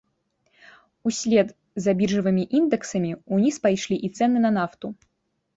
Услед за біржавымі індэксамі ўніз пайшлі і цэны на нафту.